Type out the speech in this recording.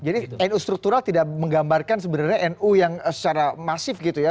jadi nu struktural tidak menggambarkan sebenarnya nu yang secara masif gitu ya